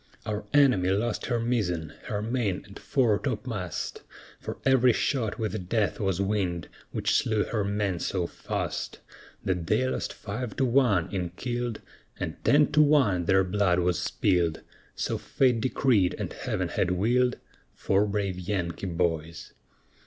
Our enemy lost her mizzen, her main and fore topmast, For ev'ry shot with death was winged, which slew her men so fast, That they lost five to one in killed, And ten to one their blood was spilled, So Fate decreed and Heaven had willed, For brave Yankee boys.